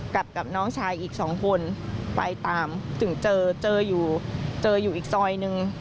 กับน้องชายอีกสองคนไปตามถึงเจอเจออยู่เจออยู่อีกซอยหนึ่ง